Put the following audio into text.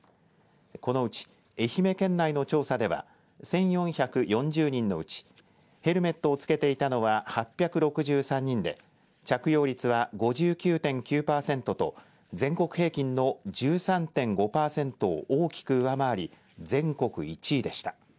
このうち愛媛県内の調査では１４４０人のうちヘルメットを着けていたのは８６３人で着用率は５９．９パーセントと全国平均の１３．５パーセントを大きく上回り、全国１位でした。